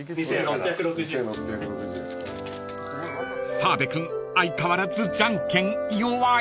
［澤部君相変わらずじゃんけん弱い］